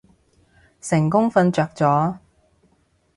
成功瞓着咗